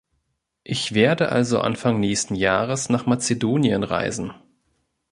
Ich werde also Anfang nächsten Jahres nach Mazedonien reisen.